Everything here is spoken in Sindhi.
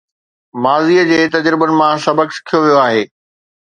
ماضي جي تجربن مان سبق سکيو ويو آهي